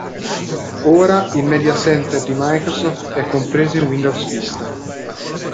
Ora il Media Center di Microsoft è compreso in Windows Vista.